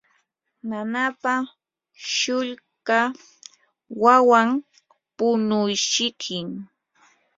nanapa shulka wawan punuysikim.